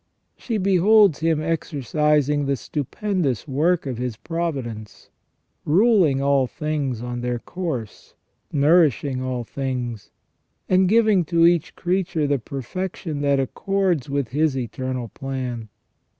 She beholds Him exercising the stupendous work of His providence, ruling all things on their course, nourishing all things, and giving to each creature the perfection that accords with His eternal plan.